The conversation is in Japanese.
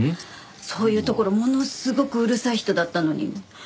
そういうところものすごくうるさい人だったのに。